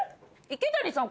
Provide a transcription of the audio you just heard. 池谷さん。